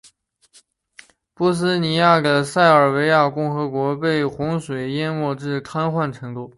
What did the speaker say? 波斯尼亚的塞尔维亚共和国被洪水淹没至瘫痪程度。